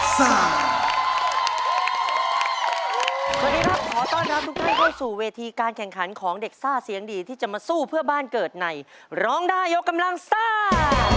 สวัสดีครับขอต้อนรับทุกท่านเข้าสู่เวทีการแข่งขันของเด็กซ่าเสียงดีที่จะมาสู้เพื่อบ้านเกิดในร้องได้ยกกำลังซ่า